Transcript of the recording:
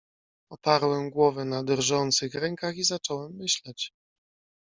"Oparłem głowę na drżących rękach i zacząłem myśleć."